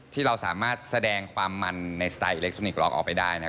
ที่เราสามารถแสดงความมันในสไตล์อิเล็กทรอนิกสล็อกออกไปได้นะครับ